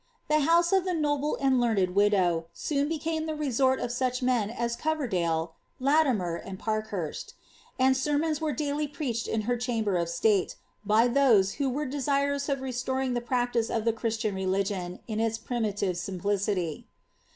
The house of the noble and learned widow mm became the resort of such men as Coverdale, Latimer, and Parkhunt and sermons were daily preached in her chamber of state, by those wb were desirous of restoring the practice of the Christian religion in i primitive simplicity.'